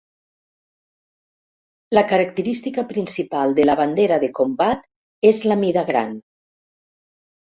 La característica principal de la bandera de combat és la mida gran.